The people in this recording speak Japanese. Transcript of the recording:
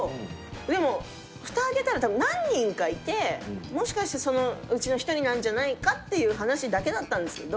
でもふた開けたらたぶん何人かいてもしかしてそのうちの一人なんじゃないかっていう話だけだったんですけど。